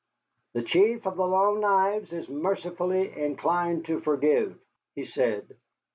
"The Chief of the Long Knives is mercifully inclined to forgive," he said.